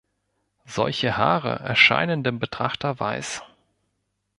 Solche Haare erscheinen dem Betrachter weiß.